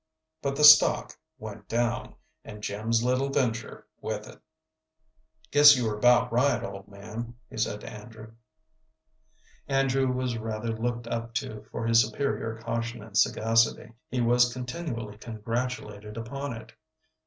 But the stock went down, and Jim's little venture with it. "Guess you were about right, old man," he said to Andrew. Andrew was rather looked up to for his superior caution and sagacity. He was continually congratulated upon it.